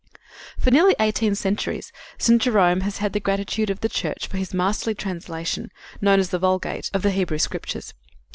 For nearly fifteen centuries St. Jerome has had the gratitude of the church for his masterly translation, known as the Vulgate, of the Hebrew Scriptures.